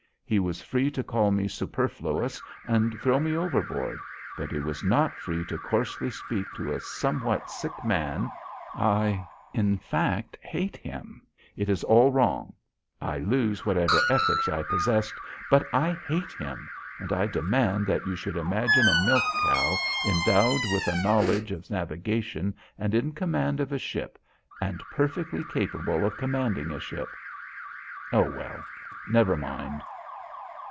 He was free to call me superfluous and throw me overboard, but he was not free to coarsely speak to a somewhat sick man. I in fact I hate him it is all wrong I lose whatever ethics I possessed but I hate him, and I demand that you should imagine a milch cow endowed with a knowledge of navigation and in command of a ship and perfectly capable of commanding a ship oh, well, never mind.